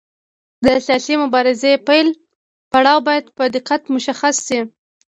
د سیاسي مبارزې د پیل پړاو باید په دقت مشخص شي.